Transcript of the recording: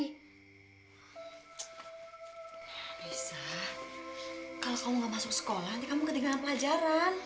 yesa kalau kamu gak masuk sekolah nanti kamu ketinggalan pelajaran